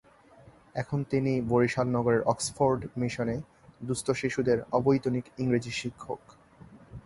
এখন তিনি বরিশাল নগরের অক্সফোর্ড মিশনে দুস্থ শিশুদের অবৈতনিক ইংরেজি শিক্ষক।